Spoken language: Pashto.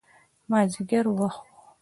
مازدیګر وخت و.